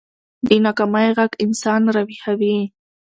د ناکامۍ غږ انسان راويښوي